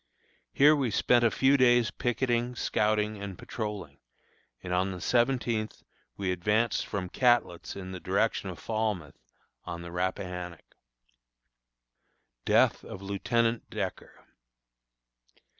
Here we spent a few days picketing, scouting and patrolling, and on the seventeenth we advanced from Catlett's in the direction of Falmouth, on the Rappahannock. DEATH OF LIEUTENANT DECKER.